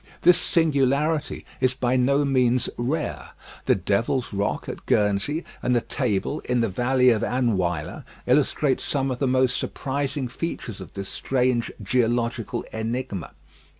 This singularity is by no means rare. The Devil's Rock, at Guernsey, and the Table, in the Valley of Anweiler, illustrate some of the most surprising features of this strange geological enigma.